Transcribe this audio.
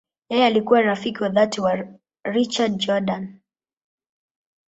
Yeye alikuwa rafiki wa dhati wa Richard Jordan.